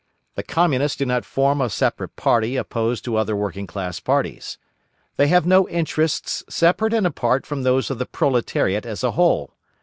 The Communists do not form a separate party opposed to other working class parties. They have no interests separate and apart from those of the proletariat as a whole.